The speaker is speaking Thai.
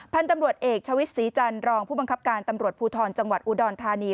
พันธุ์ตำรวจเอกชวิตศรีจันทร์รองผู้บังคับการตำรวจภูทรจังหวัดอุดรธานี